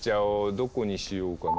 どこにしようかな。